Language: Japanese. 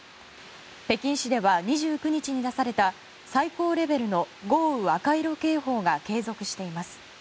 北京市では２９日に出された最高レベルの豪雨赤色警報が継続しています。